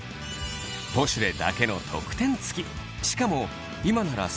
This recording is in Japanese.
『ポシュレ』だけの特典付き！